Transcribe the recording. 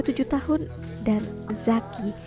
tujuh tahun dan zaki